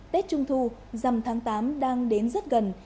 tết trung thu dằm tháng tám đang đến rất gần